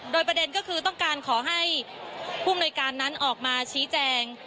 โดยประเด็นก็คือต้องการขอให้ผู้อำนวยการนั้นออกมาชี้แจง